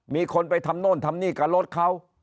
มีคนไปทำโน่นทำนี่กับรถเขา